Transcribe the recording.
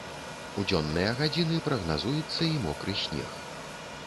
У дзённыя гадзіны прагназуецца і мокры снег.